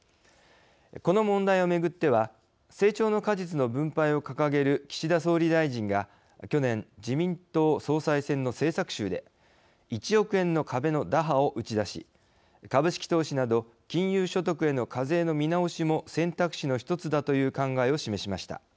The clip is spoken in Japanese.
この問題を巡っては成長の果実の分配を掲げる岸田総理大臣が去年自民党総裁選の政策集で１億円の壁の打破を打ち出し株式投資など金融所得への課税の見直しも選択肢の一つだという考えを示しました。